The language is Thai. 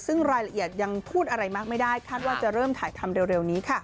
ซึ่งรายละเอียดยังพูดอะไรมากไม่ได้คาดว่าจะเริ่มถ่ายทำเร็วนี้ค่ะ